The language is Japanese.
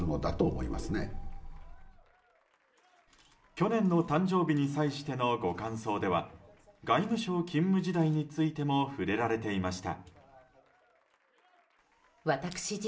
去年の誕生日に際してのご感想では外務省勤務時代についても触れられていました。